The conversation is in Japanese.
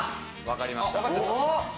わかりました。